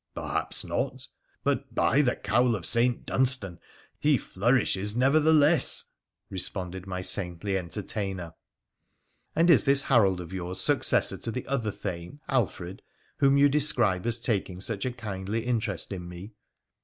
' Perhaps not, but, by the cowl of St. Dunstan ! he flourishes nevertheless,' responded my saintly entertainer. ' And is this Harold of yours successor to the other Thane, Alfred, whom you describe as taking such a kindly interest in me?'